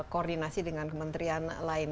koordinasi dengan kementerian lain